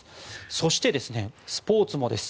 そしてスポーツもです。